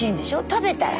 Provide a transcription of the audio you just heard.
食べたら。